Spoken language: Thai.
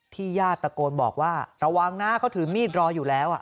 ญาติตะโกนบอกว่าระวังนะเขาถือมีดรออยู่แล้ว